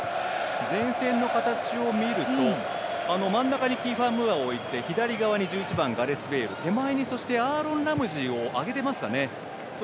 前線の形を見ると真ん中にキーファー・ムーアを置いて左側に１１番ガレス・ベイル手前にアーロン・ラムジーをあげていますかね。